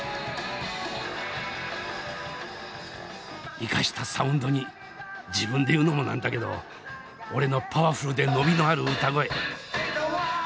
いかしたサウンドに自分で言うのもなんだけど俺のパワフルで伸びのある歌声。